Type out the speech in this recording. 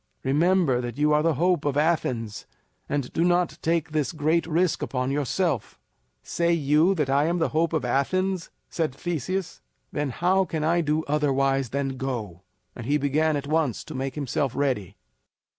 Remember that you are the hope of Athens, and do not take this great risk upon yourself." "Say you that I am the hope of Athens?" said Theseus. "Then how can I do otherwise than go?" And he began at once to make himself ready.